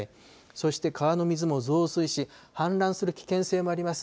そして川の水も増水し氾濫する危険性もあります。